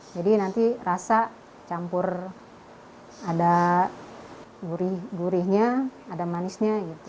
jadi nanti rasa campur ada gurihnya ada manisnya